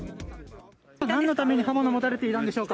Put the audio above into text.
なんのために刃物持たれていたんでしょうか。